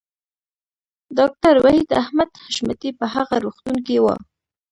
ډاکټر وحید احمد حشمتی په هغه روغتون کې و